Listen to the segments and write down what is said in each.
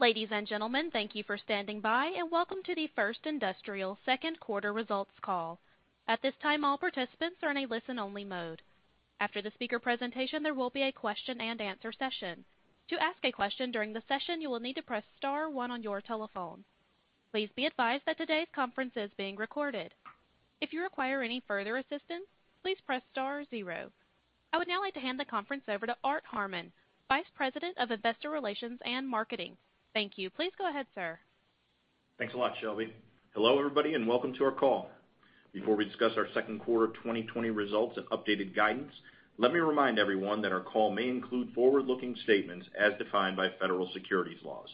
Ladies and gentlemen, thank you for standing by, and welcome to the First Industrial second quarter results call. At this time, all participants are in a listen-only mode. After the speaker presentation, there will be a question-and-answer session. To ask a question during the session, you will need to press star one on your telephone. Please be advised that today's conference is being recorded. If you require any further assistance, please press star zero. I would now like to hand the conference over to Arthur Harmon, Vice President of Investor Relations and Marketing. Thank you. Please go ahead, sir. Thanks a lot, Shelby. Hello, everybody, and welcome to our call. Before we discuss our second quarter 2020 results and updated guidance, let me remind everyone that our call may include forward-looking statements as defined by federal securities laws.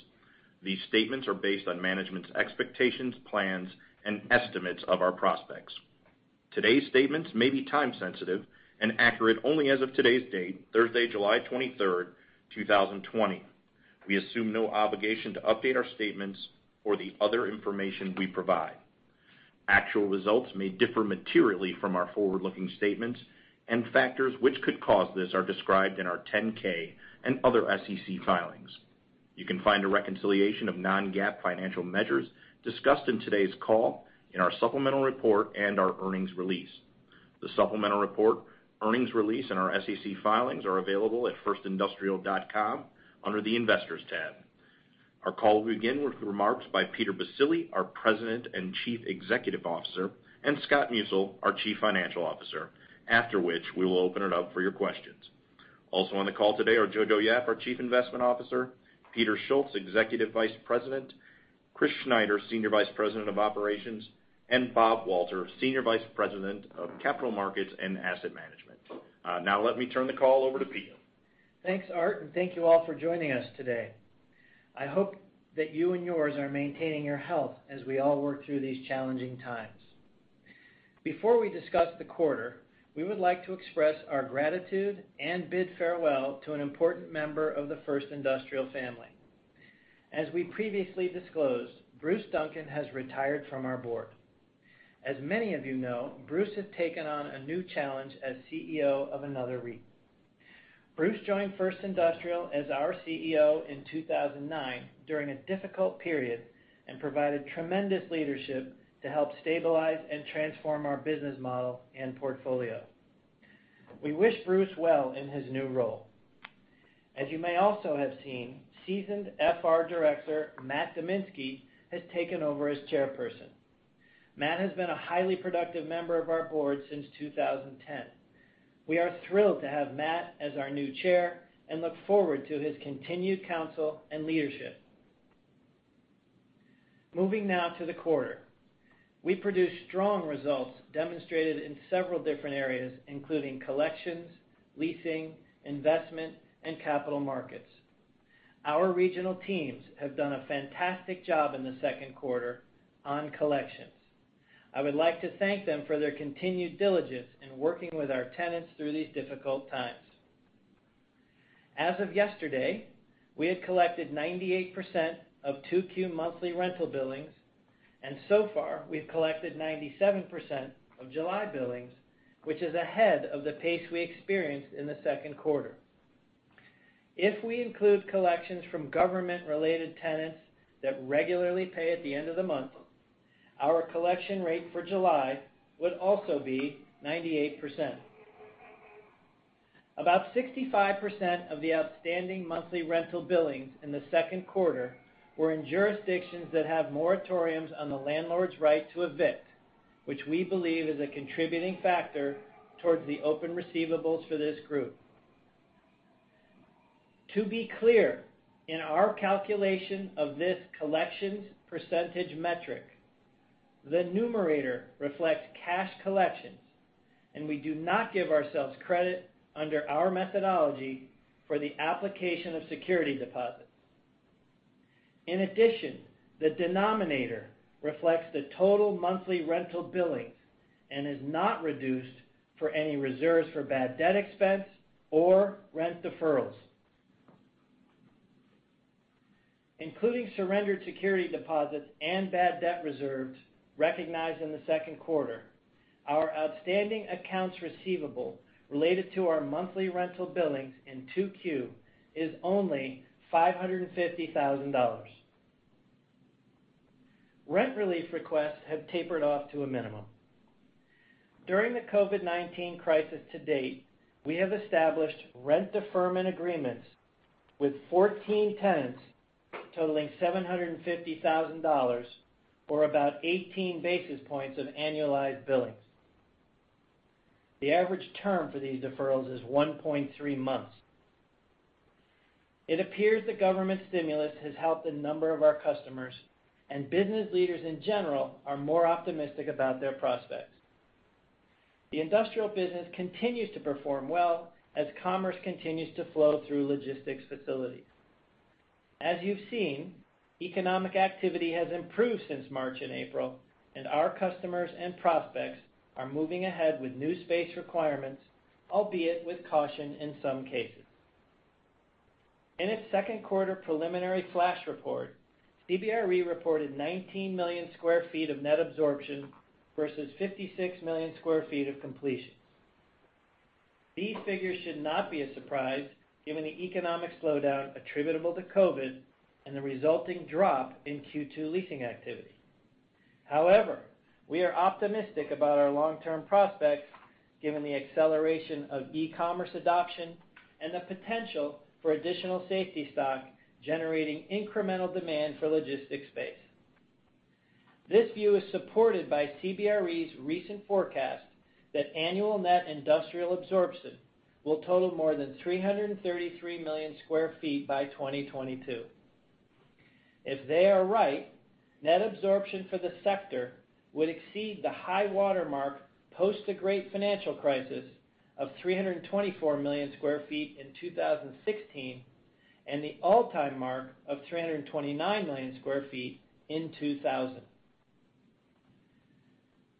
These statements are based on management's expectations, plans, and estimates of our prospects. Today's statements may be time sensitive and accurate only as of today's date, Thursday, July 23rd, 2020. We assume no obligation to update our statements or the other information we provide. Actual results may differ materially from our forward-looking statements, and factors which could cause this are described in our 10-K and other SEC filings. You can find a reconciliation of non-GAAP financial measures discussed in today's call in our supplemental report and our earnings release. The supplemental report, earnings release, and our SEC filings are available at firstindustrial.com under the Investors tab. Our call will begin with remarks by Peter Baccile, our President and Chief Executive Officer, and Scott Musil, our Chief Financial Officer, after which we will open it up for your questions. Also on the call today are Jojo Yap, our Chief Investment Officer, Peter Schultz, Executive Vice President, Chris Schneider, Senior Vice President of Operations, and Bob Walter, Senior Vice President of Capital Markets and Asset Management. Now let me turn the call over to Peter. Thanks, Arthur. Thank you all for joining us today. I hope that you and yours are maintaining your health as we all work through these challenging times. Before we discuss the quarter, we would like to express our gratitude and bid farewell to an important member of the First Industrial family. As we previously disclosed, Bruce Duncan has retired from our board. As many of you know, Bruce has taken on a new challenge as CEO of another REIT. Bruce joined First Industrial as our CEO in 2009 during a difficult period and provided tremendous leadership to help stabilize and transform our business model and portfolio. We wish Bruce well in his new role. As you may also have seen, seasoned First Industrial Realty Trust director Matt Kaminski has taken over as Chairperson. Matt has been a highly productive member of our board since 2010. We are thrilled to have Matt as our new chair and look forward to his continued counsel and leadership. Moving now to the quarter. We produced strong results demonstrated in several different areas, including collections, leasing, investment, and capital markets. Our regional teams have done a fantastic job in the second quarter on collections. I would like to thank them for their continued diligence in working with our tenants through these difficult times. As of yesterday, we had collected 98% of Q2 monthly rental billings, and so far, we've collected 97% of July billings, which is ahead of the pace we experienced in the second quarter. If we include collections from government-related tenants that regularly pay at the end of the month, our collection rate for July would also be 98%. About 65% of the outstanding monthly rental billings in the second quarter were in jurisdictions that have moratoriums on the landlord's right to evict, which we believe is a contributing factor towards the open receivables for this group. To be clear, in our calculation of this collections percentage metric, the numerator reflects cash collections, and we do not give ourselves credit under our methodology for the application of security deposits. In addition, the denominator reflects the total monthly rental billings and is not reduced for any reserves for bad debt expense or rent deferrals. Including surrendered security deposits and bad debt reserves recognized in the second quarter, our outstanding accounts receivable related to our monthly rental billings in Q2 is only $550,000. Rent relief requests have tapered off to a minimum. During the COVID-19 crisis to date, we have established rent deferment agreements with 14 tenants totaling $750,000, or about 18 basis points of annualized billings. The average term for these deferrals is 1.3 months. It appears the government stimulus has helped a number of our customers, and business leaders in general are more optimistic about their prospects. The industrial business continues to perform well as commerce continues to flow through logistics facilities. As you've seen, economic activity has improved since March and April, and our customers and prospects are moving ahead with new space requirements, albeit with caution in some cases. In its second quarter preliminary flash report, CBRE reported 19 million square feet of net absorption versus 56 million square feet of completion. These figures should not be a surprise given the economic slowdown attributable to COVID and the resulting drop in Q2 leasing activity. However, we are optimistic about our long-term prospects given the acceleration of e-commerce adoption and the potential for additional safety stock generating incremental demand for logistics space. This view is supported by CBRE's recent forecast that annual net industrial absorption will total more than 333 million sq ft by 2022. If they are right, net absorption for the sector would exceed the high watermark post the great financial crisis of 324 million sq ft in 2016 and the all-time mark of 329 million sq ft in 2000.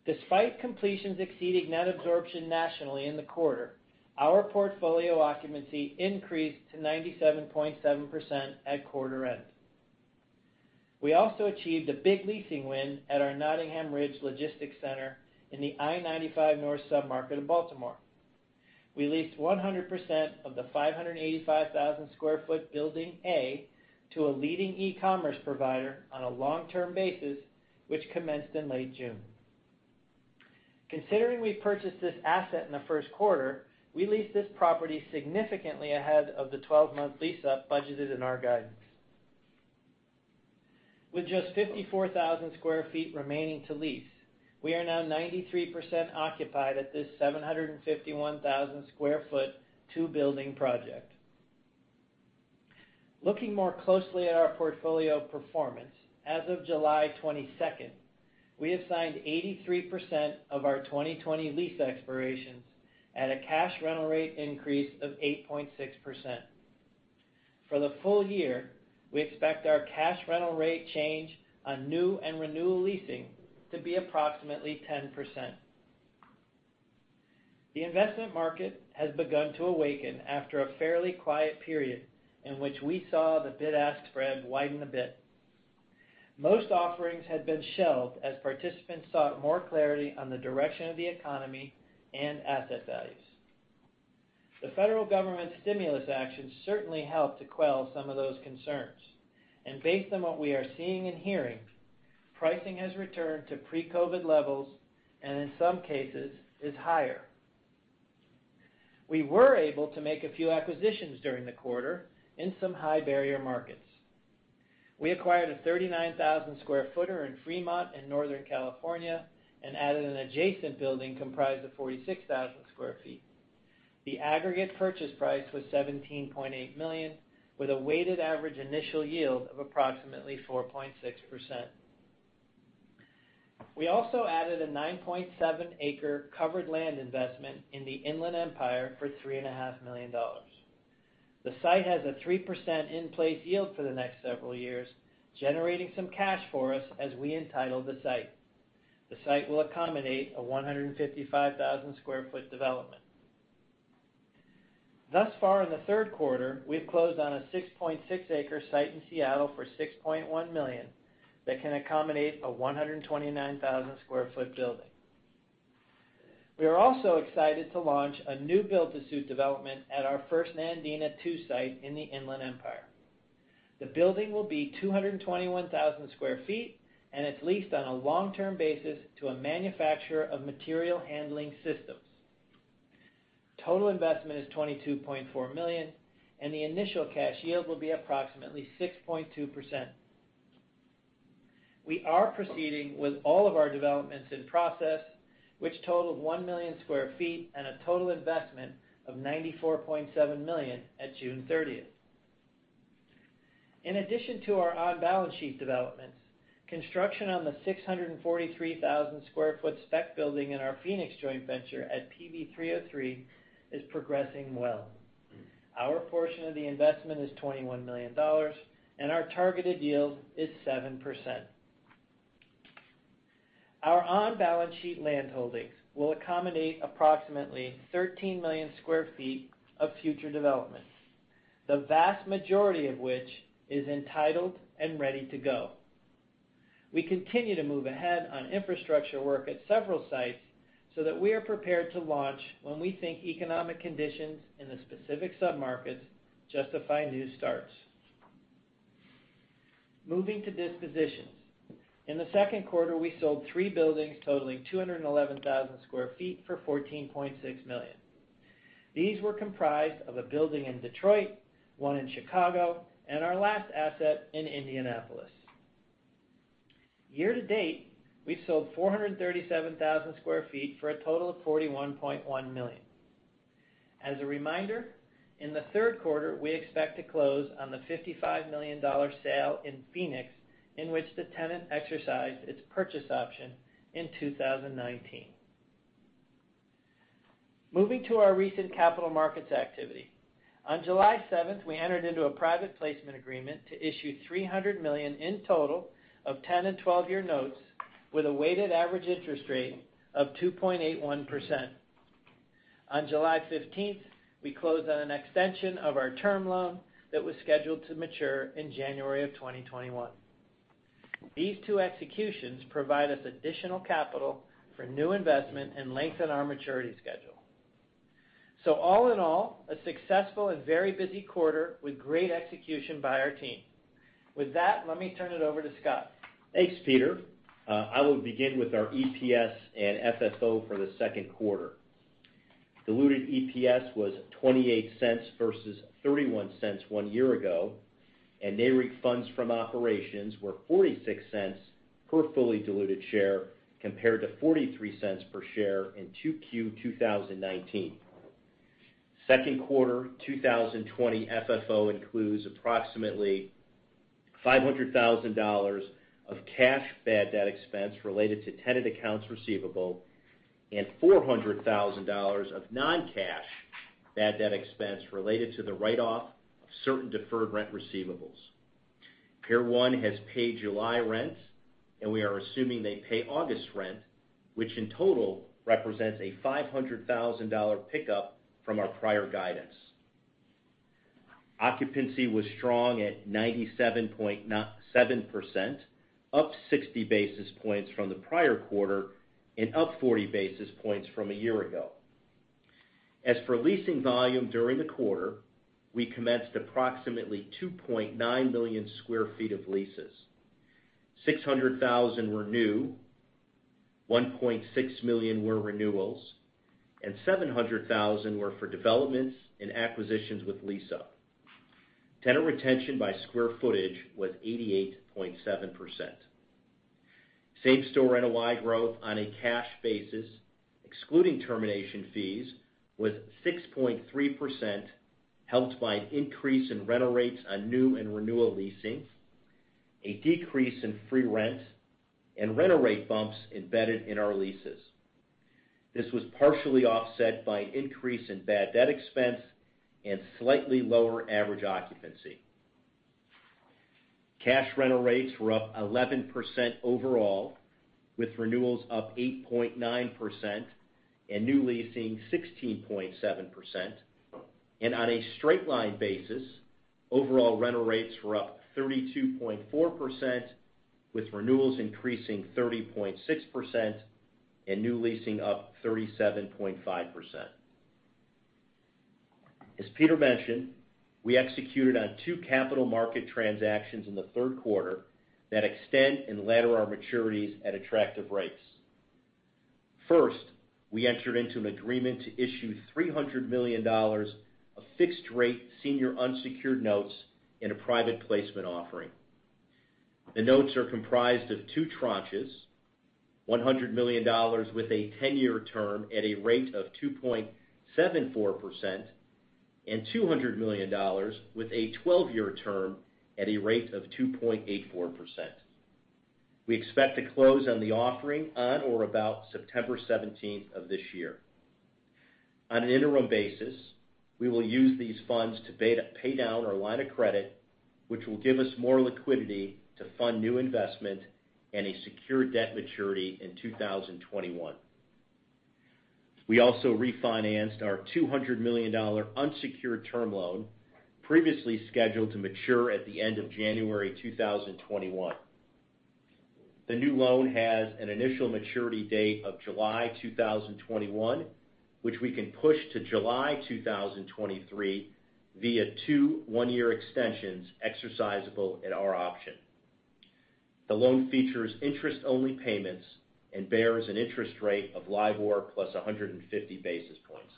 Despite completions exceeding net absorption nationally in the quarter, our portfolio occupancy increased to 97.7% at quarter end. We also achieved a big leasing win at our Nottingham Ridge Logistics Center in the I-95 North submarket of Baltimore. We leased 100% of the 585,000 sq ft building A to a leading e-commerce provider on a long-term basis, which commenced in late June. Considering we purchased this asset in the first quarter, we leased this property significantly ahead of the 12-month lease-up budgeted in our guidance. With just 54,000 square feet remaining to lease, we are now 93% occupied at this 751,000 square foot, two-building project. Looking more closely at our portfolio performance, as of July 22nd, we have signed 83% of our 2020 lease expirations at a cash rental rate increase of 8.6%. For the full year, we expect our cash rental rate change on new and renewal leasing to be approximately 10%. The investment market has begun to awaken after a fairly quiet period in which we saw the bid-ask spread widen a bit. Most offerings had been shelved as participants sought more clarity on the direction of the economy and asset values. The federal government's stimulus actions certainly helped to quell some of those concerns. Based on what we are seeing and hearing, pricing has returned to pre-COVID levels, and in some cases, is higher. We were able to make a few acquisitions during the quarter in some high-barrier markets. We acquired a 39,000 sq ft in Fremont in Northern California and added an adjacent building comprised of 46,000 sq ft. The aggregate purchase price was $17.8 million, with a weighted average initial yield of approximately 4.6%. We also added a 9.7-acre covered land investment in the Inland Empire for $3.5 million. The site has a 3% in-place yield for the next several years, generating some cash for us as we entitle the site. The site will accommodate a 155,000 sq ft development. Thus far in the third quarter, we've closed on a 6.6-acre site in Seattle for $6.1 million that can accommodate a 129,000 sq ft building. We are also excited to launch a new build-to-suit development at our First Nandina II site in the Inland Empire. The building will be 221,000 sq ft, it's leased on a long-term basis to a manufacturer of material handling systems. Total investment is $22.4 million, the initial cash yield will be approximately 6.2%. We are proceeding with all of our developments in process, which totaled 1 million sq ft and a total investment of $94.7 million at June 30th. In addition to our on-balance-sheet developments, construction on the 643,000 sq ft spec building in our Phoenix joint venture at PV303 is progressing well. Our portion of the investment is $21 million, our targeted yield is 7%. Our on-balance-sheet land holdings will accommodate approximately 13 million sq ft of future developments, the vast majority of which is entitled and ready to go. We continue to move ahead on infrastructure work at several sites so that we are prepared to launch when we think economic conditions in the specific submarkets justify new starts. Moving to dispositions. In the second quarter, we sold three buildings totaling 211,000 sq ft for $14.6 million. These were comprised of a building in Detroit, one in Chicago, and our last asset in Indianapolis. Year to date, we've sold 437,000 sq ft for a total of $41.1 million. As a reminder, in the third quarter, we expect to close on the $55 million sale in Phoenix, in which the tenant exercised its purchase option in 2019. Moving to our recent capital markets activity. On July 7th, we entered into a private placement agreement to issue $300 million in total of 10 and 12-year notes with a weighted average interest rate of 2.81%. On July 15th, we closed on an extension of our term loan that was scheduled to mature in January of 2021. These two executions provide us additional capital for new investment and lengthen our maturity schedule. All in all, a successful and very busy quarter with great execution by our team. With that, let me turn it over to Scott. Thanks, Peter. I will begin with our EPS and FFO for the second quarter. Diluted EPS was $0.28 versus $0.31 one year ago, and NAREIT funds from operations were $0.46 per fully diluted share, compared to $0.43 per share in Q2 2019. Second quarter 2020 FFO includes approximately $500,000 of cash bad debt expense related to tenant accounts receivable and $400,000 of non-cash bad debt expense related to the write-off of certain deferred rent receivables. Pier 1 has paid July rent, and we are assuming they pay August rent, which in total represents a $500,000 pickup from our prior guidance. Occupancy was strong at 97.7%, up 60 basis points from the prior quarter and up 40 basis points from a year ago. As for leasing volume during the quarter, we commenced approximately 2.9 million square feet of leases, 600,000 were new, 1.6 million were renewals, and 700,000 were for developments and acquisitions with lease-up. Tenant retention by square footage was 88.7%. Same-store NOI growth on a cash basis, excluding termination fees, was 6.3%, helped by an increase in rental rates on new and renewal leasing, a decrease in free rent, and rental rate bumps embedded in our leases. This was partially offset by an increase in bad debt expense and slightly lower average occupancy. Cash rental rates were up 11% overall, with renewals up 8.9% and new leasing 16.7%. On a straight-line basis, overall rental rates were up 32.4%, with renewals increasing 30.6% and new leasing up 37.5%. As Peter mentioned, we executed on two capital market transactions in the third quarter that extend and ladder our maturities at attractive rates. First, we entered into an agreement to issue $300 million of fixed-rate senior unsecured notes in a private placement offering. The notes are comprised of two tranches, $100 million with a 10-year term at a rate of 2.74%, and $200 million with a 12-year term at a rate of 2.84%. We expect to close on the offering on or about September 17th of this year. On an interim basis, we will use these funds to pay down our line of credit, which will give us more liquidity to fund new investment and a secure debt maturity in 2021. We also refinanced our $200 million unsecured term loan, previously scheduled to mature at the end of January 2021. The new loan has an initial maturity date of July 2021, which we can push to July 2023 via two one-year extensions exercisable at our option. The loan features interest-only payments and bears an interest rate of LIBOR plus 150 basis points.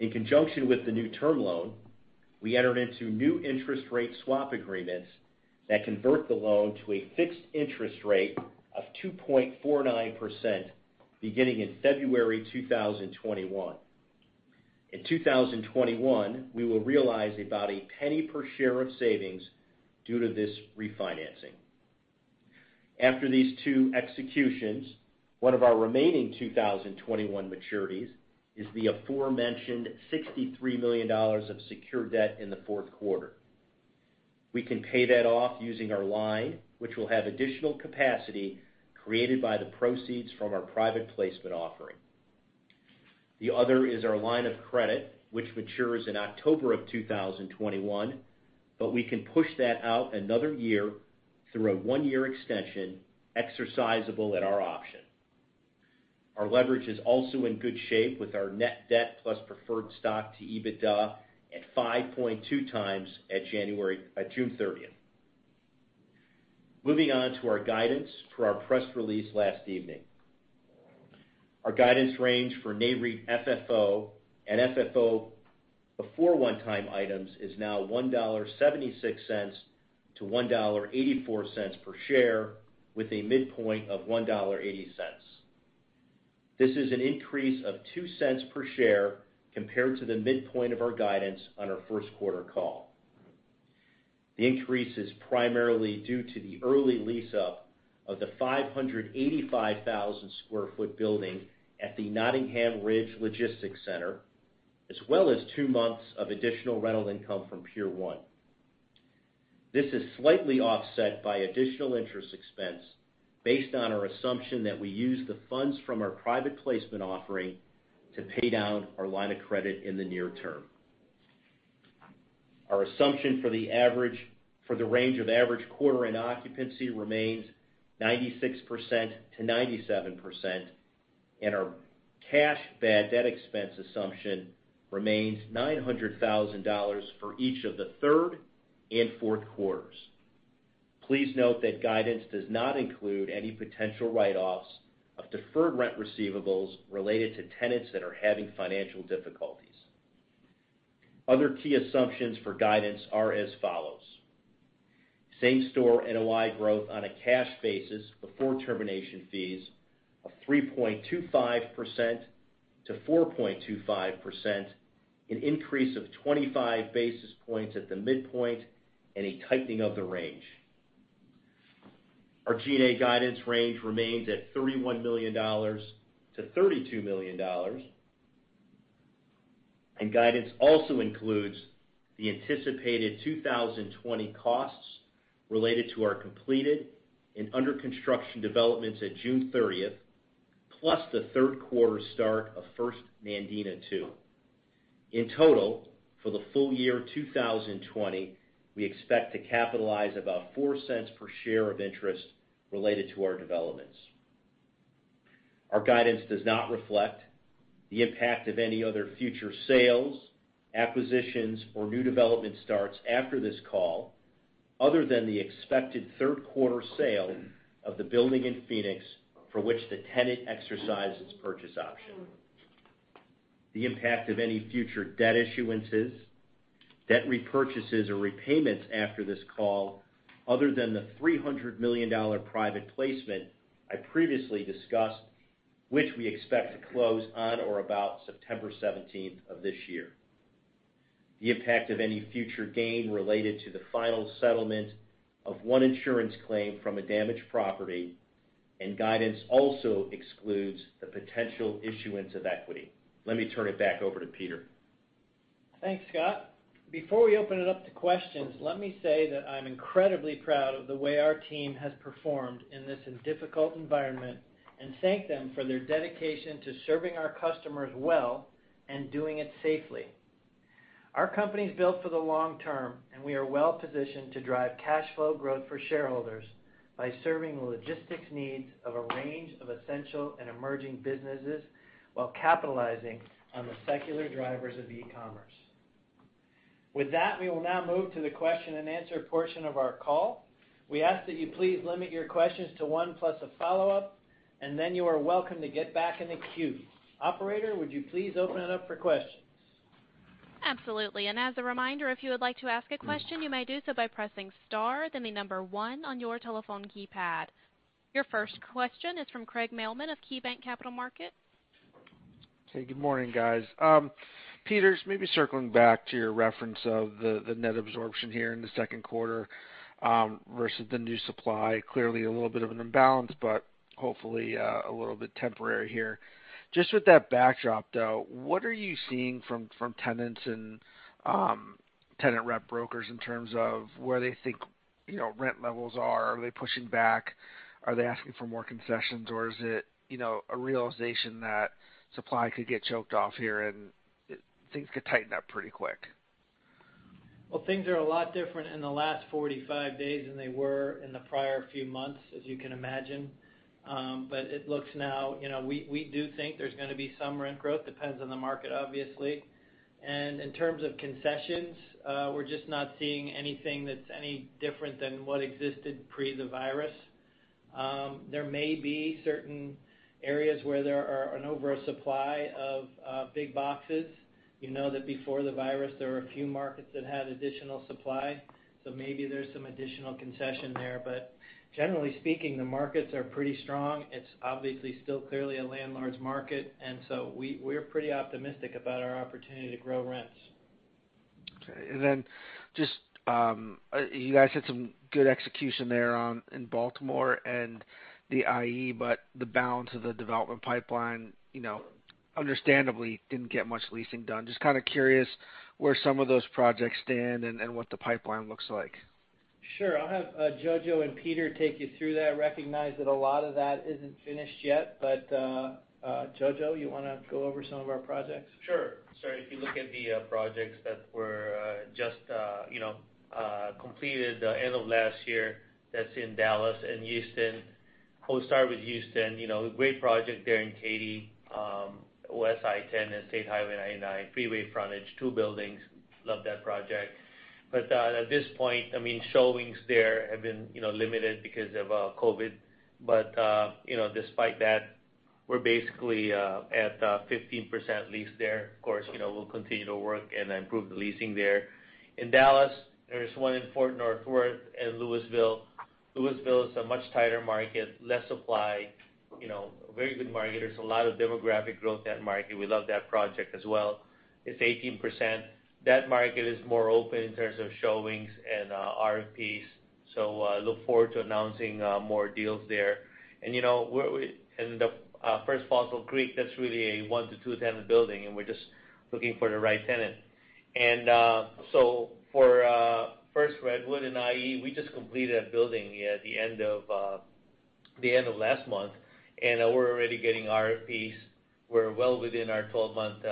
In conjunction with the new term loan, we entered into new interest rate swap agreements that convert the loan to a fixed interest rate of 2.49% beginning in February 2021. In 2021, we will realize about $0.01 per share of savings due to this refinancing. After these two executions, one of our remaining 2021 maturities is the aforementioned $63 million of secure debt in the fourth quarter. We can pay that off using our line, which will have additional capacity created by the proceeds from our private placement offering. The other is our line of credit, which matures in October of 2021, but we can push that out another year through a one-year extension exercisable at our option. Our leverage is also in good shape with our net debt plus preferred stock to EBITDA at 5.2 times at June 30th. Moving on to our guidance for our press release last evening. Our guidance range for NAREIT FFO and FFO before one-time items is now $1.76-$1.84 per share, with a midpoint of $1.80. This is an increase of $0.02 per share compared to the midpoint of our guidance on our first quarter call. The increase is primarily due to the early lease-up of the 585,000 sq ft building at the Nottingham Ridge Logistics Center, as well as two months of additional rental income from Pier 1. This is slightly offset by additional interest expense based on our assumption that we use the funds from our private placement offering to pay down our line of credit in the near term. Our assumption for the range of average quarter and occupancy remains 96%-97%, and our cash bad debt expense assumption remains $900,000 for each of the third and fourth quarters. Please note that guidance does not include any potential write-offs of deferred rent receivables related to tenants that are having financial difficulties. Other key assumptions for guidance are as follows. Same-store NOI growth on a cash basis before termination fees of 3.25%-4.25%, an increase of 25 basis points at the midpoint, and a tightening of the range. Our G&A guidance range remains at $31 million-$32 million, and guidance also includes the anticipated 2020 costs related to our completed and under-construction developments at June 30th, plus the third quarter start of First Nandina II. In total, for the full year 2020, we expect to capitalize about $0.04 per share of interest related to our developments. Our guidance does not reflect the impact of any other future sales, acquisitions, or new development starts after this call, other than the expected third quarter sale of the building in Phoenix, for which the tenant exercised its purchase option. The impact of any future debt issuances, debt repurchases, or repayments after this call, other than the $300 million private placement I previously discussed, which we expect to close on or about September 17th of this year. The impact of any future gain related to the final settlement of one insurance claim from a damaged property, guidance also excludes the potential issuance of equity. Let me turn it back over to Peter. Thanks, Scott. Before we open it up to questions, let me say that I'm incredibly proud of the way our team has performed in this difficult environment and thank them for their dedication to serving our customers well and doing it safely. Our company's built for the long term, and we are well-positioned to drive cash flow growth for shareholders by serving the logistics needs of a range of essential and emerging businesses, while capitalizing on the secular drivers of e-commerce. With that, we will now move to the question-and-answer portion of our call. We ask that you please limit your questions to one plus a follow-up, and then you are welcome to get back in the queue. Operator, would you please open it up for questions? Absolutely. As a reminder, if you would like to ask a question, you may do so by pressing star, then the number one on your telephone keypad. Your first question is from Craig Mailman of KeyBanc Capital Markets. Okay, good morning, guys. Peter, maybe circling back to your reference of the net absorption here in the second quarter versus the new supply. Clearly, a little bit of an imbalance, but hopefully a little bit temporary here. Just with that backdrop, though, what are you seeing from tenants and tenant rep brokers in terms of where they think rent levels are? Are they pushing back? Are they asking for more concessions, or is it a realization that supply could get choked off here and things could tighten up pretty quick? Things are a lot different in the last 45 days than they were in the prior few months, as you can imagine. It looks now, we do think there's going to be some rent growth. Depends on the market, obviously. In terms of concessions, we're just not seeing anything that's any different than what existed pre the virus. There may be certain areas where there are an oversupply of big boxes. You know that before the virus, there were a few markets that had additional supply. Maybe there's some additional concession there. Generally speaking, the markets are pretty strong. It's obviously still clearly a landlord's market, we're pretty optimistic about our opportunity to grow rents. Okay, then just, you guys had some good execution there in Baltimore and the IE, but the balance of the development pipeline understandably didn't get much leasing done. Just kind of curious where some of those projects stand and what the pipeline looks like. Sure. I'll have Jojo and Peter take you through that. Recognize that a lot of that isn't finished yet. Jojo, you want to go over some of our projects? Sure. If you look at the projects that were just completed end of last year, that's in Dallas and Houston. We'll start with Houston. A great project there in Katy, West I-10 and State Highway 99, freeway frontage, two buildings. Love that project. At this point, showings there have been limited because of COVID. Despite that, we're basically at 15% leased there. Of course, we'll continue to work and improve the leasing there. In Dallas, there's one in Fort Worth, North and Lewisville. Lewisville is a much tighter market, less supply. A very good market. There's a lot of demographic growth, that market. We love that project as well. It's 18%. That market is more open in terms of showings and RFPs. Look forward to announcing more deals there. The First Fossil Creek, that's really a one to two tenant building, and we're just looking for the right tenant. We just completed a building at the end of last month, and we're already getting RFPs. We're well within our 12-month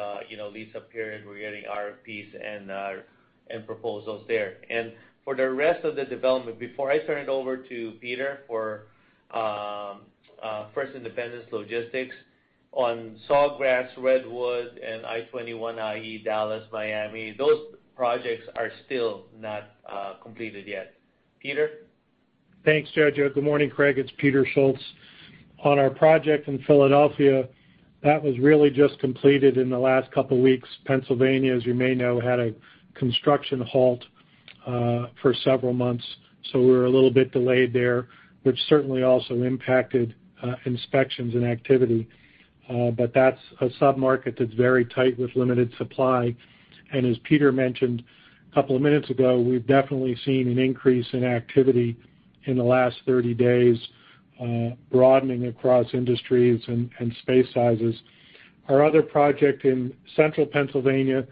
lease-up period. We're getting RFPs and proposals there. For the rest of the development, before I turn it over to Peter for First Independence Logistics on Sawgrass, Redwood, and I-21 IE Dallas, Miami, those projects are still not completed yet. Peter? Thanks, Jojo. Good morning, Craig. It's Peter Schultz. On our project in Philadelphia, that was really just completed in the last couple of weeks. Pennsylvania, as you may know, had a construction halt for several months, so we were a little bit delayed there, which certainly also impacted inspections and activity. That's a sub-market that's very tight with limited supply. As Peter mentioned a couple of minutes ago, we've definitely seen an increase in activity in the last 30 days, broadening across industries and space sizes. Our other project in Central Pennsylvania,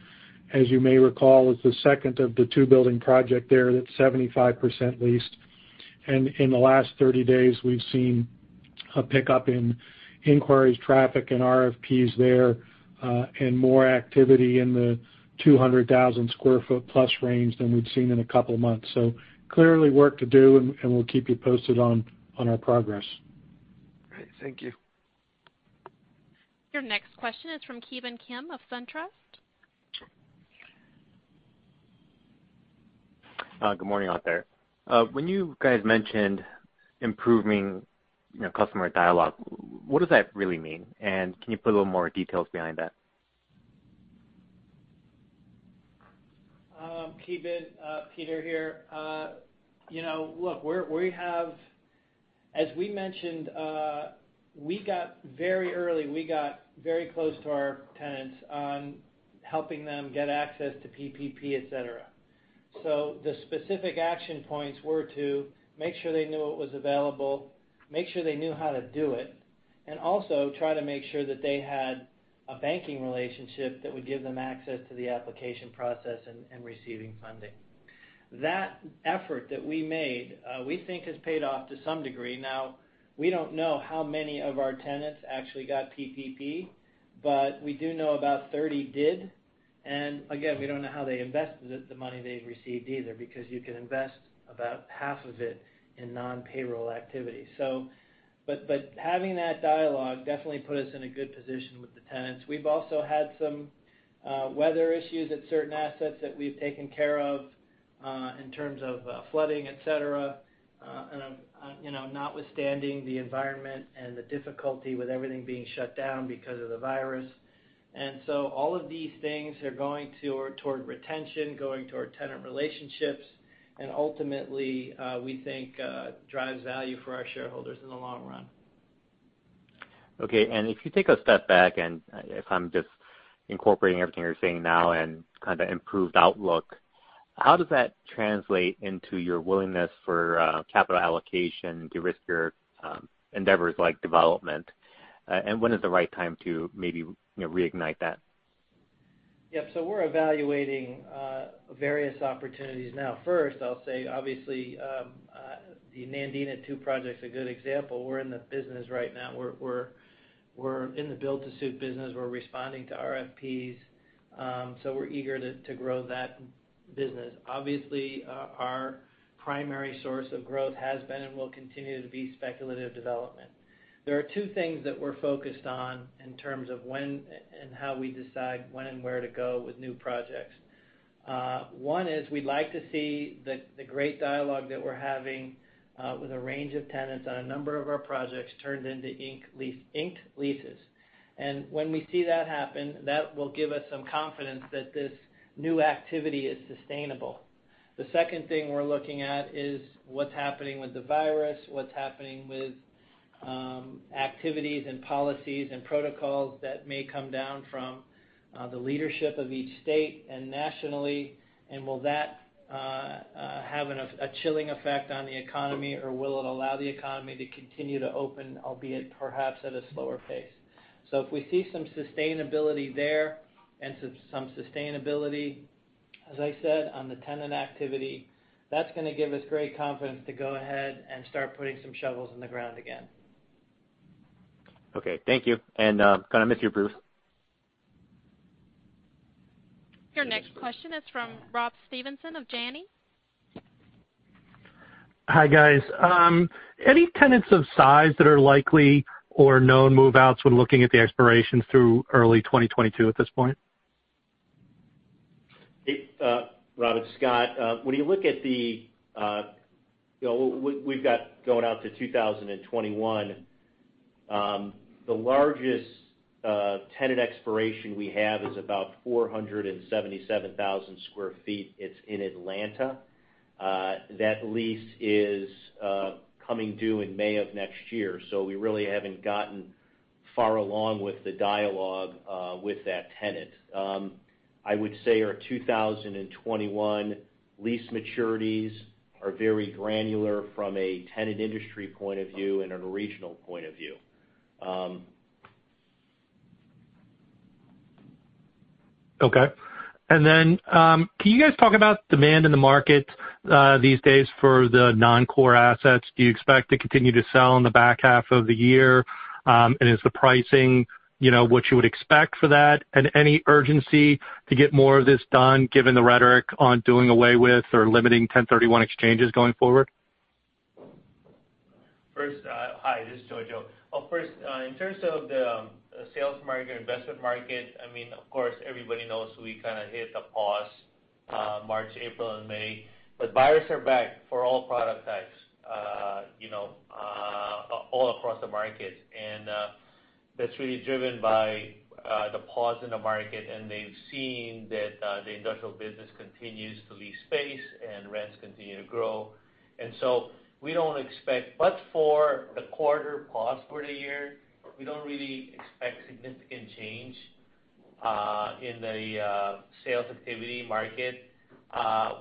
as you may recall, is the second of the two-building project there that's 75% leased. In the last 30 days, we've seen a pickup in inquiries, traffic, and RFPs there, and more activity in the 200,000 sq ft plus range than we've seen in a couple of months. Clearly work to do, and we'll keep you posted on our progress. Great. Thank you. Your next question is from Ki Bin Kim of SunTrust. Good morning out there. When you guys mentioned improving customer dialogue, what does that really mean? Can you put a little more details behind that? Ki Bin, Peter here. As we mentioned, very early, we got very close to our tenants on helping them get access to PPP, et cetera. The specific action points were to make sure they knew it was available, make sure they knew how to do it, and also try to make sure that they had a banking relationship that would give them access to the application process and receiving funding. That effort that we made, we think has paid off to some degree. We don't know how many of our tenants actually got PPP, but we do know about 30 did. Again, we don't know how they invested the money they received either, because you can invest about half of it in non-payroll activity. Having that dialogue definitely put us in a good position with the tenants. We've also had some weather issues at certain assets that we've taken care of in terms of flooding, et cetera, notwithstanding the environment and the difficulty with everything being shut down because of the virus. All of these things are going toward retention, going toward tenant relationships, and ultimately, we think drives value for our shareholders in the long run. Okay. If you take a step back and if I'm just incorporating everything you're saying now and kind of improved outlook, how does that translate into your willingness for capital allocation to risk your endeavors like development? When is the right time to maybe reignite that? Yeah. We're evaluating various opportunities now. First, I'll say, obviously, the Nandina II project's a good example. We're in the business right now. We're in the build to suit business. We're responding to RFPs. We're eager to grow that business. Obviously, our primary source of growth has been and will continue to be speculative development. There are two things that we're focused on in terms of when and how we decide when and where to go with new projects. One is we'd like to see the great dialogue that we're having with a range of tenants on a number of our projects turned into inked leases. When we see that happen, that will give us some confidence that this new activity is sustainable. The second thing we're looking at is what's happening with the virus, what's happening with activities and policies and protocols that may come down from the leadership of each state and nationally, and will that have a chilling effect on the economy, or will it allow the economy to continue to open, albeit perhaps at a slower pace. If we see some sustainability there and some sustainability, as I said, on the tenant activity, that's going to give us great confidence to go ahead and start putting some shovels in the ground again. Okay. Thank you. Kind of miss your booth. Your next question is from Rob Stevenson of Janney. Hi, guys. Any tenants of size that are likely or known move-outs when looking at the expirations through early 2022 at this point? Robert, Scott. We've got going out to 2021. The largest tenant expiration we have is about 477,000 square feet. It's in Atlanta. That lease is coming due in May of next year, so we really haven't gotten far along with the dialogue with that tenant. I would say our 2021 lease maturities are very granular from a tenant industry point of view and a regional point of view. Okay. Then, can you guys talk about demand in the market these days for the non-core assets? Do you expect to continue to sell in the back half of the year? Is the pricing what you would expect for that? Is any urgency to get more of this done, given the rhetoric on doing away with or limiting 1031 exchanges going forward? Hi, this is Jojo. Well, first, in terms of the sales market, investment market, of course, everybody knows we kind of hit a pause March, April, and May. Buyers are back for all product types all across the market. That's really driven by the pause in the market, and they've seen that the industrial business continues to lease space and rents continue to grow. We don't expect much for the quarter pause for the year. We don't really expect significant change in the sales activity market.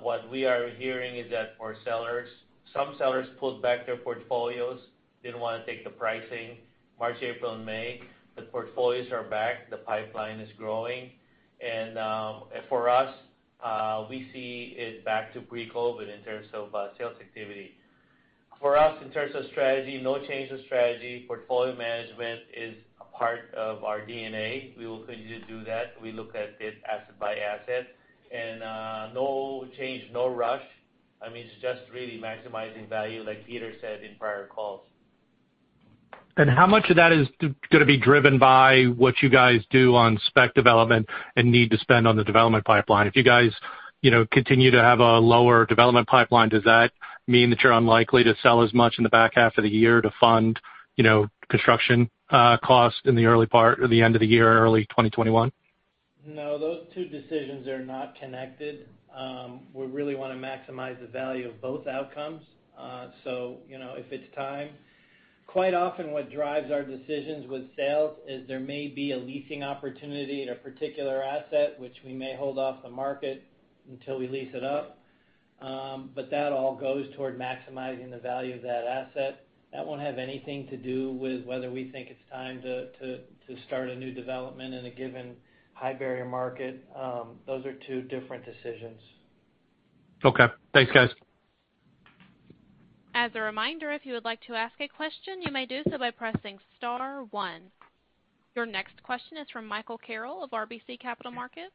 What we are hearing is that for sellers, some sellers pulled back their portfolios, didn't want to take the pricing March, April, and May. The portfolios are back. The pipeline is growing. For us, we see it back to pre-COVID in terms of sales activity. For us, in terms of strategy, no change of strategy. Portfolio management is a part of our DNA. We will continue to do that. We look at it asset by asset and no change, no rush. It's just really maximizing value, like Peter said in prior calls. How much of that is going to be driven by what you guys do on spec development and need to spend on the development pipeline? If you guys continue to have a lower development pipeline, does that mean that you're unlikely to sell as much in the back half of the year to fund construction costs in the early part or the end of the year or early 2021? No, those two decisions are not connected. We really want to maximize the value of both outcomes. If it's time, quite often what drives our decisions with sales is there may be a leasing opportunity at a particular asset, which we may hold off the market until we lease it up. That all goes toward maximizing the value of that asset. That won't have anything to do with whether we think it's time to start a new development in a given high-barrier market. Those are two different decisions. Okay. Thanks, guys. As a reminder, if you would like to ask a question, you may do so by pressing star one. Your next question is from Michael Carroll of RBC Capital Markets.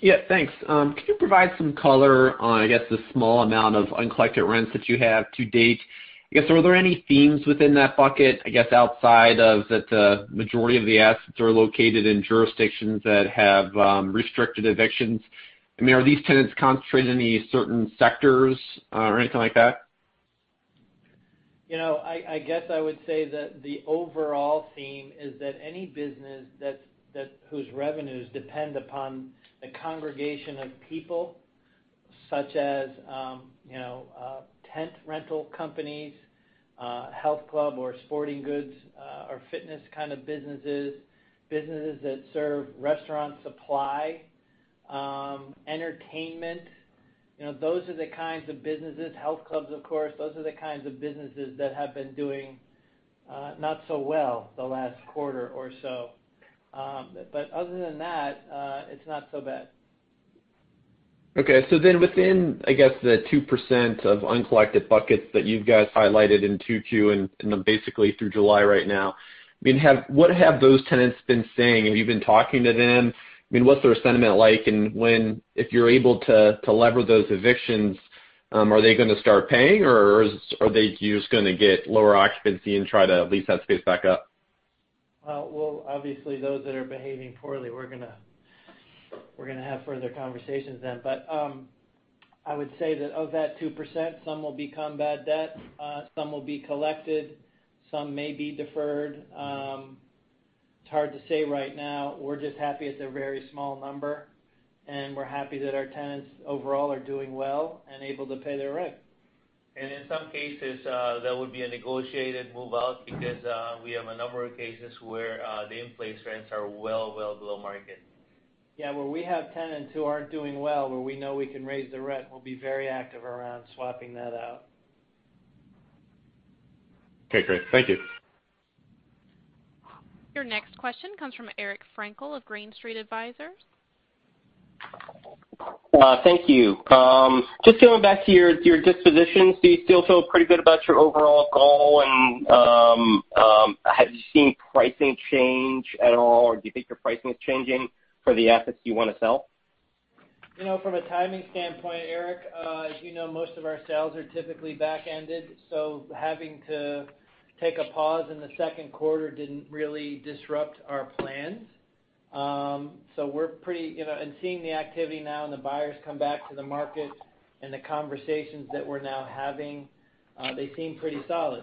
Yeah, thanks. Could you provide some color on, I guess, the small amount of uncollected rents that you have to date? I guess, are there any themes within that bucket, I guess, outside of that the majority of the assets are located in jurisdictions that have restricted evictions? Are these tenants concentrated in any certain sectors or anything like that? I guess I would say that the overall theme is that any business whose revenues depend upon the congregation of people, such as tent rental companies, health club or sporting goods or fitness kind of businesses that serve restaurant supply, entertainment. Those are the kinds of businesses, health clubs, of course, those are the kinds of businesses that have been doing not so well the last quarter or so. Other than that, it's not so bad. Within, I guess, the 2% of uncollected buckets that you guys highlighted in Q2 and then basically through July right now, what have those tenants been saying? Have you been talking to them? What's their sentiment like and if you're able to lever those evictions, are they going to start paying or are they just going to get lower occupancy and try to lease that space back up? Well, obviously those that are behaving poorly, we're going to have further conversations then. I would say that of that 2%, some will become bad debt, some will be collected, some may be deferred. It's hard to say right now. We're just happy it's a very small number, and we're happy that our tenants overall are doing well and able to pay their rent. In some cases, there would be a negotiated move-out because we have a number of cases where the in-place rents are well below market. Yeah, where we have tenants who aren't doing well, where we know we can raise the rent, we'll be very active around swapping that out. Okay, great. Thank you. Your next question comes from Eric Frankel of Green Street Advisors. Thank you. Just going back to your dispositions, do you still feel pretty good about your overall goal, and have you seen pricing change at all, or do you think your pricing is changing for the assets you want to sell? From a timing standpoint, Eric, as you know, most of our sales are typically back-ended, so having to take a pause in the second quarter didn't really disrupt our plans. Seeing the activity now and the buyers come back to the market and the conversations that we're now having, they seem pretty solid.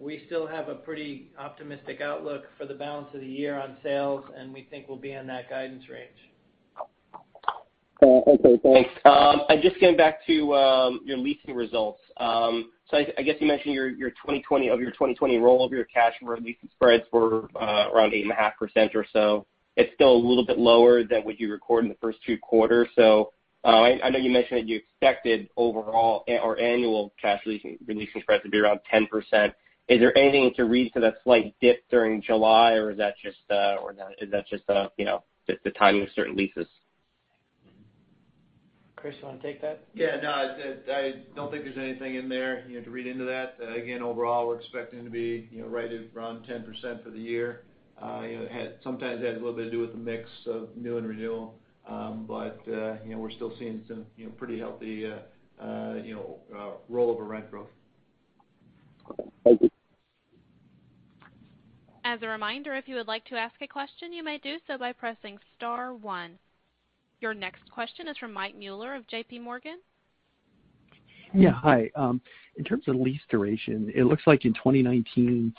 We still have a pretty optimistic outlook for the balance of the year on sales, and we think we'll be in that guidance range. Okay, thanks. Just going back to your leasing results. I guess you mentioned of your 2020 roll of your cash where leasing spreads were around 8.5% or so. It's still a little bit lower than what you record in the first two quarters. I know you mentioned that you expected overall or annual cash leasing releases for it to be around 10%. Is there anything to read to that slight dip during July, or is that just the timing of certain leases? Chris, you want to take that? Yeah. No, I don't think there's anything in there to read into that. Again, overall, we're expecting to be right around 10% for the year. Sometimes it has a little bit to do with the mix of new and renewal. We're still seeing some pretty healthy rollover rent growth. Thank you. As a reminder, if you would like to ask a question, you may do so by pressing star one. Your next question is from Mike Mueller of JPMorgan. Yeah. Hi. In terms of lease duration, it looks like in 2019,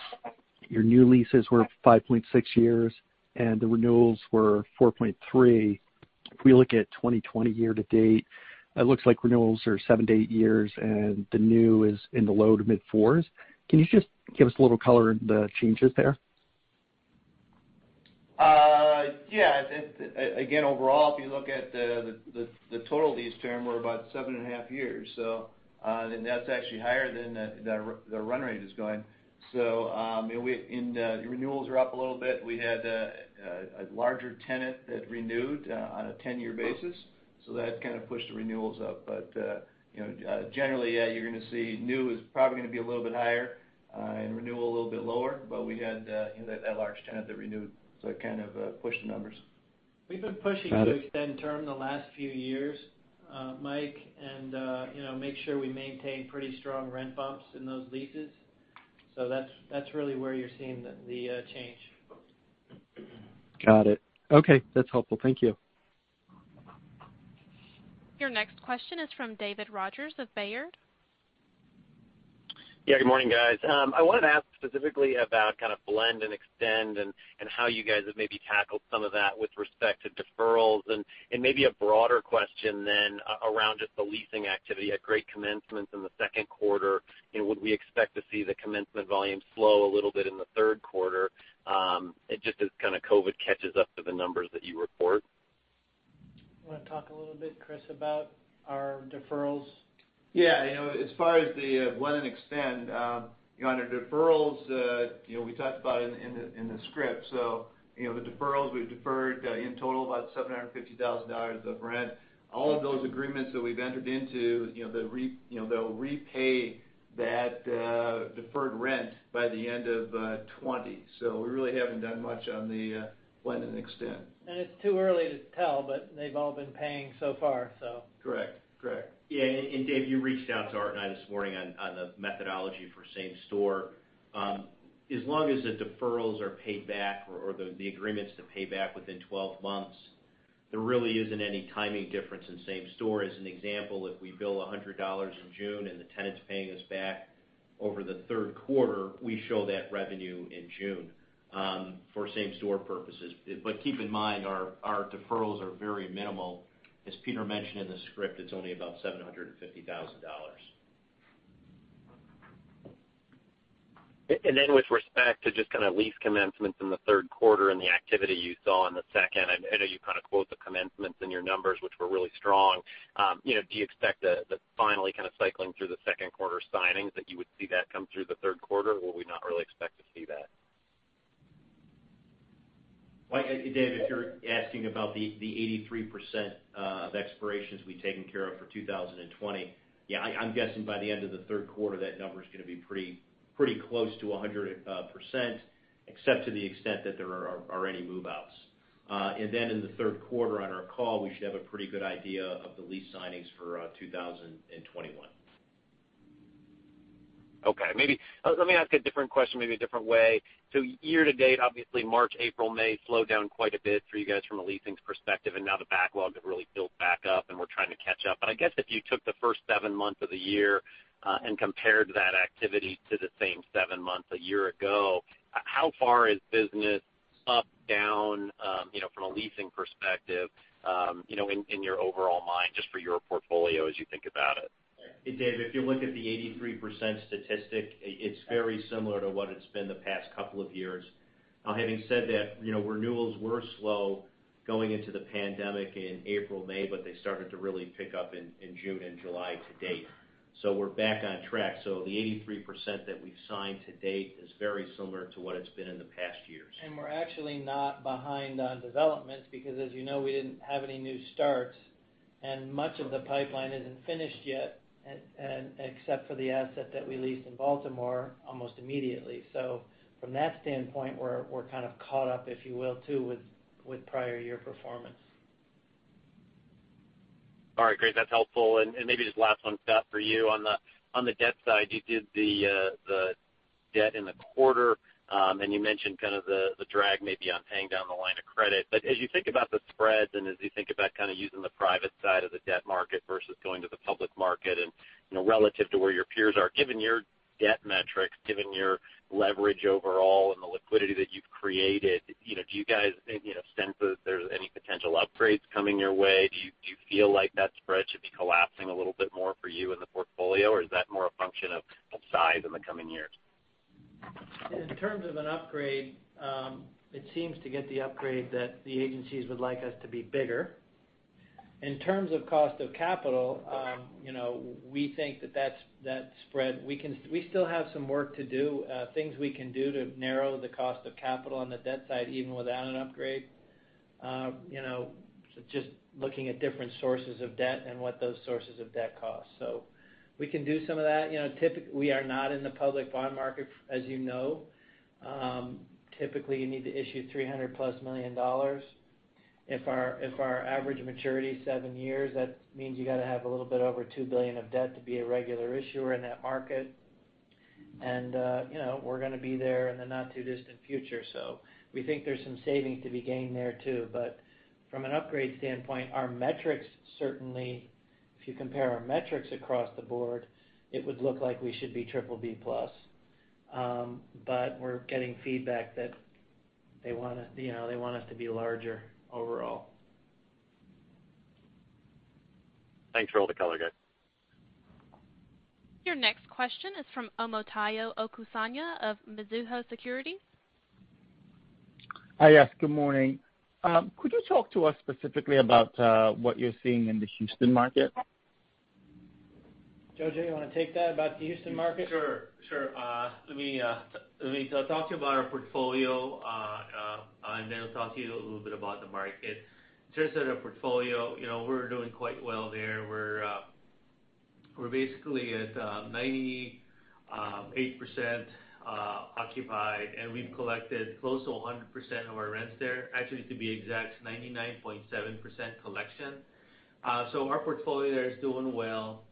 your new leases were 5.6 years, and the renewals were 4.3. If we look at 2020 year to date, it looks like renewals are seven to eight years, and the new is in the low to mid fours. Can you just give us a little color on the changes there? Again, overall, if you look at the total lease term, we're about seven and a half years. That's actually higher than the run rate is going. The renewals are up a little bit. We had a larger tenant that renewed on a 10-year basis, so that kind of pushed the renewals up. Generally you're going to see new is probably going to be a little bit higher, and renewal a little bit lower, but we had that large tenant that renewed, so it kind of pushed the numbers. We've been pushing to extend term the last few years, Mike, and make sure we maintain pretty strong rent bumps in those leases. That's really where you're seeing the change. Got it. Okay. That's helpful. Thank you. Your next question is from David Rodgers of Baird. Yeah. Good morning, guys. I wanted to ask specifically about kind of blend and extend and how you guys have maybe tackled some of that with respect to deferrals and maybe a broader question then around just the leasing activity, had great commencements in the second quarter. Would we expect to see the commencement volume slow a little bit in the third quarter, just as kind of COVID catches up to the numbers that you report? You want to talk a little bit, Chris, about our deferrals? Yeah. As far as the blend and extend, on our deferrals, we talked about it in the script, so the deferrals, we've deferred in total about $750,000 of rent. All of those agreements that we've entered into, they'll repay that deferred rent by the end of 2020. We really haven't done much on the blend and extend. It's too early to tell, but they've all been paying so far. Correct. Yeah. Dave, you reached out to Art and I this morning on the methodology for same-store. As long as the deferrals are paid back or the agreements to pay back within 12 months, there really isn't any timing difference in same-store. As an example, if we bill $100 in June and the tenant's paying us back over the third quarter, we show that revenue in June, for same-store purposes. Keep in mind, our deferrals are very minimal. As Peter mentioned in the script, it's only about $750,000. With respect to just kind of lease commencements in the third quarter and the activity you saw in the second, I know you kind of quote the commencements in your numbers, which were really strong. Do you expect the finally kind of cycling through the second quarter signings that you would see that come through the third quarter, or would we not really expect to see that? Mike, Dave, if you're asking about the 83% of expirations we've taken care of for 2020, yeah, I'm guessing by the end of the third quarter, that number's going to be pretty close to 100%, except to the extent that there are any move-outs. In the third quarter on our call, we should have a pretty good idea of the lease signings for 2021. Okay. Let me ask a different question maybe a different way. Year to date, obviously March, April, May slowed down quite a bit for you guys from a leasing perspective, and now the backlog has really built back up, and we're trying to catch up. I guess if you took the first seven months of the year, and compared that activity to the same seven months a year ago, how far is business up, down, from a leasing perspective, in your overall mind, just for your portfolio as you think about it? Dave, if you look at the 83% statistic, it's very similar to what it's been the past couple of years. Having said that, renewals were slow going into the pandemic in April, May, but they started to really pick up in June and July to date. We're back on track. The 83% that we've signed to date is very similar to what it's been in the past years. We're actually not behind on developments because as you know, we didn't have any new starts, and much of the pipeline isn't finished yet, except for the asset that we leased in Baltimore almost immediately. From that standpoint, we're kind of caught up, if you will, too, with prior year performance. All right. Great. That's helpful. Maybe just last one, Scott, for you. On the debt side, you did the debt in the quarter, and you mentioned kind of the drag maybe on paying down the line of credit. As you think about the spreads and as you think about kind of using the private side of the debt market versus going to the public market and relative to where your peers are, given your debt metrics, given your leverage overall and the liquidity that you've created, do you guys sense that there's any potential upgrades coming your way? Do you feel like that spread should be collapsing a little bit more for you in the portfolio, or is that more a function of size in the coming years? In terms of an upgrade, it seems to get the upgrade that the agencies would like us to be bigger. In terms of cost of capital, we think that spread. We still have some work to do, things we can do to narrow the cost of capital on the debt side, even without an upgrade. Just looking at different sources of debt and what those sources of debt cost. We can do some of that. We are not in the public bond market, as you know. Typically, you need to issue $300-plus million. If our average maturity is seven years, that means you got to have a little bit over $2 billion of debt to be a regular issuer in that market. We're going to be there in the not-too-distant future. We think there's some savings to be gained there, too. From an upgrade standpoint, our metrics, certainly, if you compare our metrics across the board, it would look like we should be BBB+. We're getting feedback that they want us to be larger overall. Thanks for all the color, guys. Your next question is from Omotayo Okusanya of Mizuho Securities. Hi, yes. Good morning. Could you talk to us specifically about what you're seeing in the Houston market? Jojo, you want to take that about the Houston market? Sure. Let me talk to you about our portfolio, then I'll talk to you a little bit about the market. In terms of the portfolio, we're doing quite well there. We're basically at 98% occupied, and we've collected close to 100% of our rents there. Actually, to be exact, 99.7% collection. Our portfolio there is doing well.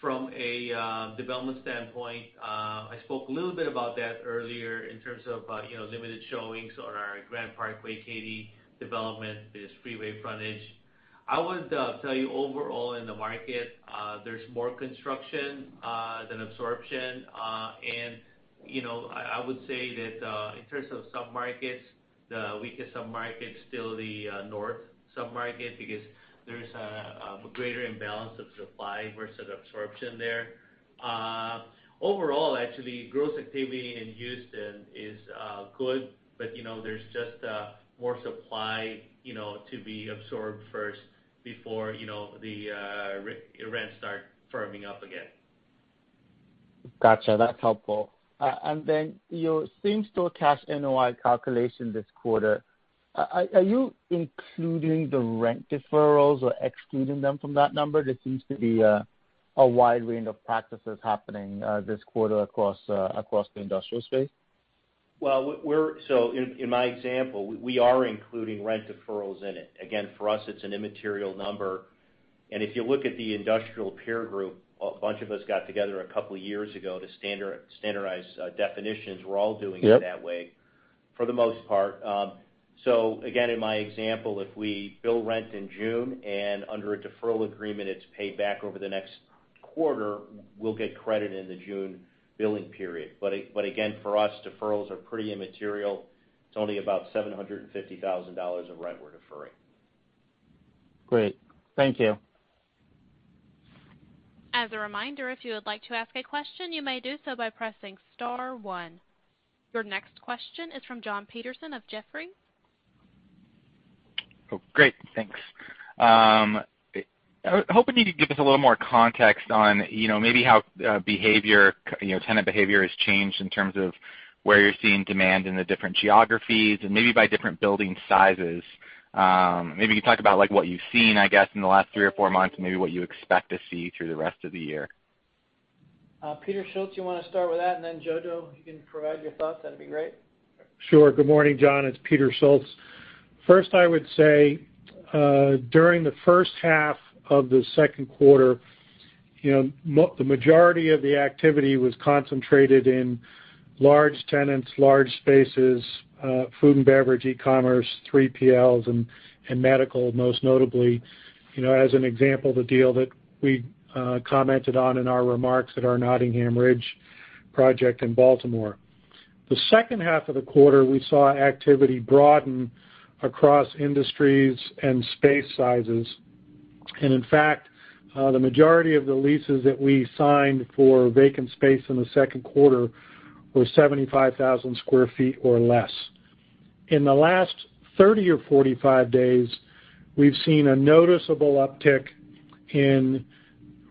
From a development standpoint, I spoke a little bit about that earlier in terms of limited showings on our Grand Parkway Katy development, there's freeway frontage. I would tell you overall in the market, there's more construction than absorption. I would say that in terms of submarkets, the weakest submarket's still the north submarket because there's a greater imbalance of supply versus absorption there. Overall, actually, growth activity in Houston is good, but there's just more supply to be absorbed first before the rents start firming up again. Got you. That's helpful. Then your same-store cash NOI calculation this quarter, are you including the rent deferrals or excluding them from that number? There seems to be a wide range of practices happening this quarter across the industrial space. In my example, we are including rent deferrals in it. Again, for us, it's an immaterial number. If you look at the industrial peer group, a bunch of us got together a couple of years ago to standardize definitions. We're all doing it that way. Yep for the most part. Again, in my example, if we bill rent in June, and under a deferral agreement, it's paid back over the next quarter, we'll get credit in the June billing period. Again, for us, deferrals are pretty immaterial. It's only about $750,000 of rent we're deferring. Great. Thank you. As a reminder, if you would like to ask a question, you may do so by pressing star one. Your next question is from Jon Petersen of Jefferies. Oh, great. Thanks. I was hoping you could give us a little more context on maybe how tenant behavior has changed in terms of where you're seeing demand in the different geographies and maybe by different building sizes. Maybe you could talk about what you've seen, I guess, in the last three or four months, and maybe what you expect to see through the rest of the year. Peter Schultz, you want to start with that? Jojo, you can provide your thoughts, that'd be great. Sure. Good morning, Jon. It's Peter Schultz. First, I would say, during the first half of the second quarter, the majority of the activity was concentrated in large tenants, large spaces, food and beverage, e-commerce, 3PLs, and medical, most notably. As an example, the deal that we commented on in our remarks at our Nottingham Ridge project in Baltimore. The second half of the quarter, we saw activity broaden across industries and space sizes. In fact, the majority of the leases that we signed for vacant space in the second quarter were 75,000 sq ft or less. In the last 30 or 45 days, we've seen a noticeable uptick in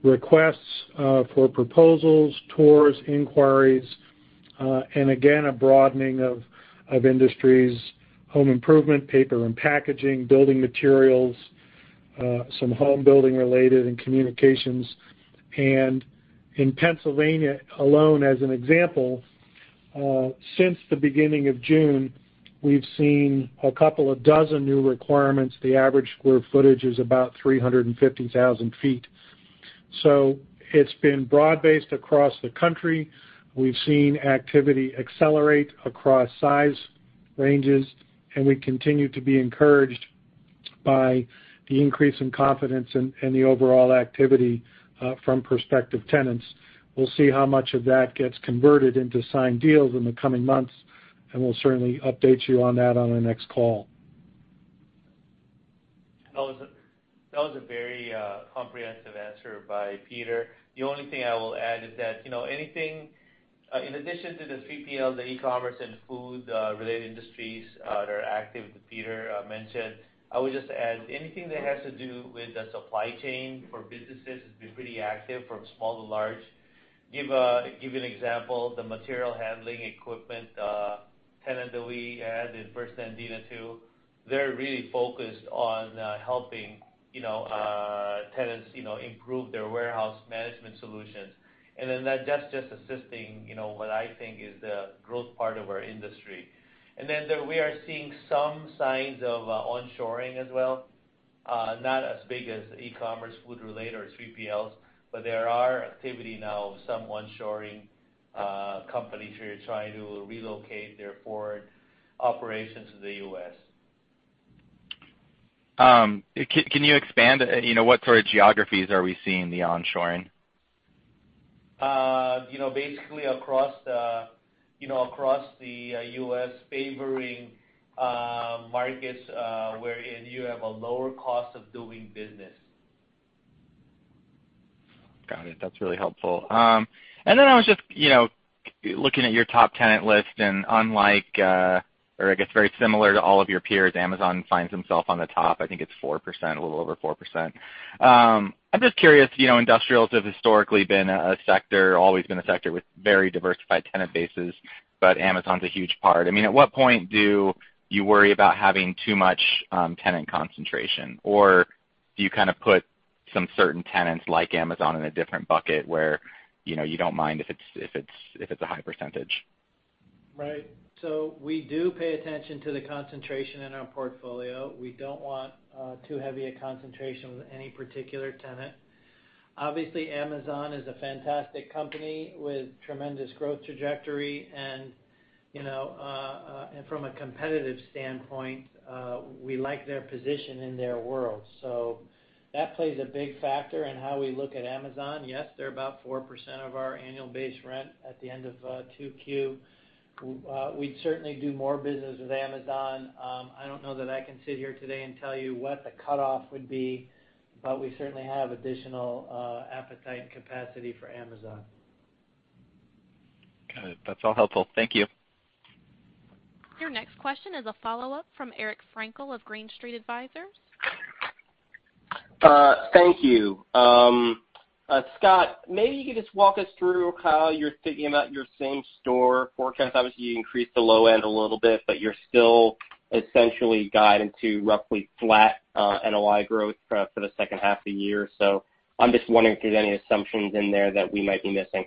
requests for proposals, tours, inquiries, and again, a broadening of industries, home improvement, paper and packaging, building materials, some home building related, and communications. In Pennsylvania alone, as an example, since the beginning of June, we've seen a couple of dozen new requirements. The average square footage is about 350,000 feet. It's been broad-based across the country. We've seen activity accelerate across size ranges, and we continue to be encouraged by the increase in confidence and the overall activity from prospective tenants. We'll see how much of that gets converted into signed deals in the coming months, and we'll certainly update you on that on our next call. That was comprehensive answer by Peter. The only thing I will add is that in addition to the 3PL, the e-commerce, and food-related industries that are active that Peter mentioned, I would just add anything that has to do with the supply chain for businesses has been pretty active from small to large. Give you an example, the material handling equipment tenant that we added, First Industrial Realty Trust Nandina II, they're really focused on helping tenants improve their warehouse management solutions. That's just assisting what I think is the growth part of our industry. We are seeing some signs of onshoring as well. Not as big as e-commerce, food-related, or 3PLs, there are activity now of some onshoring companies who are trying to relocate their foreign operations to the U.S. Can you expand? What sort of geographies are we seeing the onshoring? Basically across the U.S. favoring markets wherein you have a lower cost of doing business. Got it. That's really helpful. I was just looking at your top tenant list, and unlike or I guess very similar to all of your peers, Amazon finds themselves on the top. I think it's 4%, a little over 4%. I'm just curious, industrials have historically been a sector, always been a sector with very diversified tenant bases, Amazon's a huge part. At what point do you worry about having too much tenant concentration? Do you kind of put some certain tenants like Amazon in a different bucket where you don't mind if it's a high percentage? Right. We do pay attention to the concentration in our portfolio. We don't want too heavy a concentration with any particular tenant. Obviously, Amazon is a fantastic company with tremendous growth trajectory, and from a competitive standpoint, we like their position in their world. That plays a big factor in how we look at Amazon. Yes, they're about 4% of our annual base rent at the end of Q2. We'd certainly do more business with Amazon. I don't know that I can sit here today and tell you what the cutoff would be, but we certainly have additional appetite and capacity for Amazon. Got it. That's all helpful. Thank you. Your next question is a follow-up from Eric Frankel of Green Street Advisors. Thank you. Scott, maybe you could just walk us through how you're thinking about your same store forecast. Obviously, you increased the low end a little bit, you're still essentially guiding to roughly flat NOI growth for the second half of the year. I'm just wondering if there's any assumptions in there that we might be missing.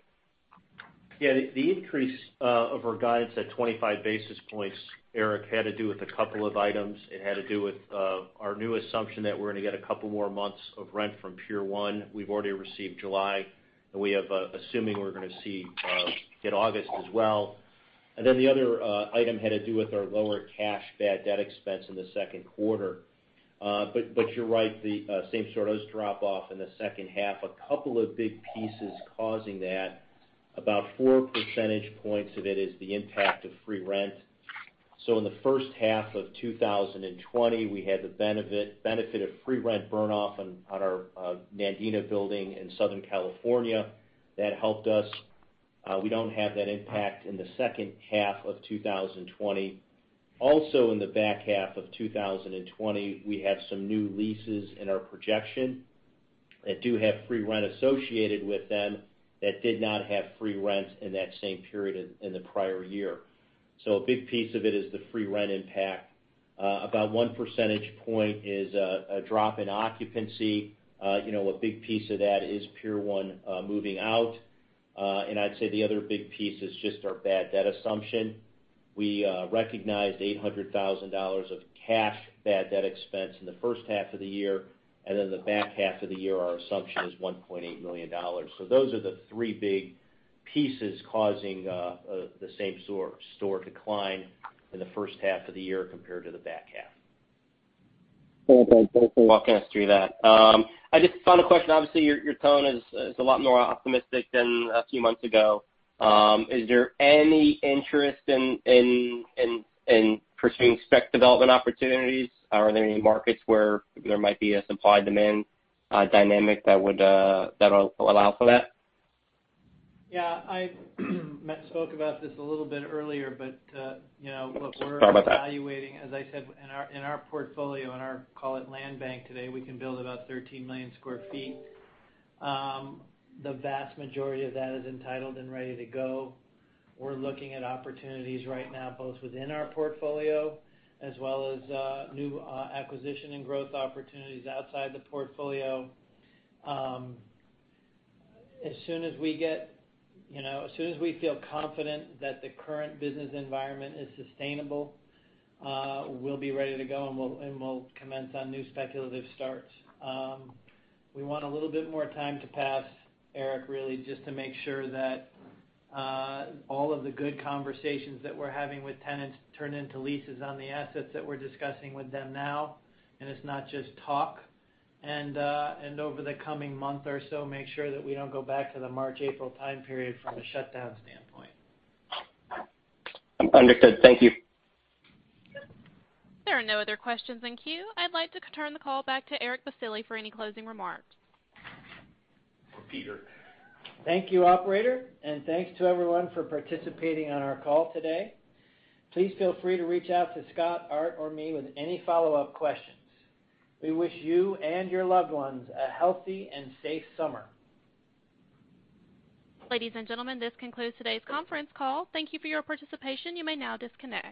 Yeah. The increase of our guidance at 25 basis points, Eric, had to do with a couple of items. It had to do with our new assumption that we're going to get a couple more months of rent from Pier 1. We've already received July, and we have assuming we're going to get August as well. The other item had to do with our lower cash bad debt expense in the second quarter. You're right, the same store does drop off in the second half. A couple of big pieces causing that. About four percentage points of it is the impact of free rent. In the first half of 2020, we had the benefit of free rent burn-off on our Nandina building in Southern California. That helped us. We don't have that impact in the second half of 2020. Also in the back half of 2020, we have some new leases in our projection that do have free rent associated with them that did not have free rent in that same period in the prior year. A big piece of it is the free rent impact. About one percentage point is a drop in occupancy. A big piece of that is Pier 1 moving out. I'd say the other big piece is just our bad debt assumption. We recognized $800,000 of cash bad debt expense in the first half of the year, and then the back half of the year, our assumption is $1.8 million. Those are the three big pieces causing the same store decline in the first half of the year compared to the back half. Thanks for walking us through that. Final question. Obviously, your tone is a lot more optimistic than a few months ago. Is there any interest in pursuing spec development opportunities? Are there any markets where there might be a supply-demand dynamic that'll allow for that? Yeah. I spoke about this a little bit earlier, but. Sorry about that. Evaluating, as I said, in our portfolio, in our, call it land bank today, we can build about 13 million sq ft. The vast majority of that is entitled and ready to go. We're looking at opportunities right now, both within our portfolio as well as new acquisition and growth opportunities outside the portfolio. As soon as we feel confident that the current business environment is sustainable, we'll be ready to go, and we'll commence on new speculative starts. We want a little bit more time to pass, Eric, really just to make sure that all of the good conversations that we're having with tenants turn into leases on the assets that we're discussing with them now, and it's not just talk. Over the coming month or so, make sure that we don't go back to the March, April time period from a shutdown standpoint. Understood. Thank you. There are no other questions in queue. I'd like to turn the call back to Peter Baccile for any closing remarks. Peter. Thank you, operator. Thanks to everyone for participating on our call today. Please feel free to reach out to Scott, Arthur, or me with any follow-up questions. We wish you and your loved ones a healthy and safe summer. Ladies and gentlemen, this concludes today's conference call. Thank you for your participation. You may now disconnect.